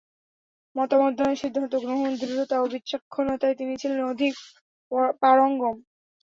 মতামত দান, সিদ্ধান্ত গ্রহণ, দৃঢ়তা ও বিচক্ষণতায় তিনি ছিলেন অধিক পারঙ্গম।